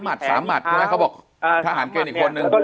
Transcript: หมัดสามหมัดใช่ไหมเขาบอกอ่าทหารเกณฑ์อีกคนหนึ่งแล้วก็